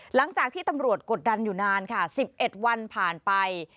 หลังจากที่ตำรวจกดดันอยู่นานค่ะ๑๑วันผ่านไป